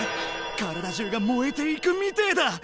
体中が燃えていくみてえだ！